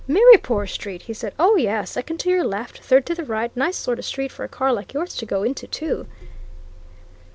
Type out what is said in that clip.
"Mirrypoor Street?" he said. "Oh, yes! Second to your left, third to the right nice sort o' street for a car like yours to go into, too!"